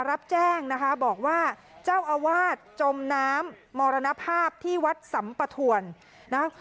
รับแจ้งนะคะบอกว่าเจ้าอาวาสจมน้ำมรณภาพที่วัดสำปะถวนนะ